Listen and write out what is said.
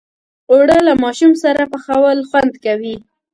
اوړه له ماشوم سره پخول خوند کوي